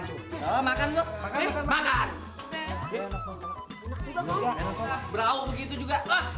ya allah bang